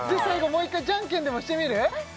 もう一回じゃんけんでもしてみる？